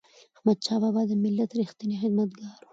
احمدشاه بابا د ملت ریښتینی خدمتګار و.